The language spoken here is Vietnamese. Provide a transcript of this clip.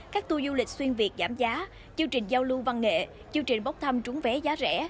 các tour du lịch xuyên việt giảm giá chương trình giao lưu văn nghệ chương trình bóc thăm trúng vé giá rẻ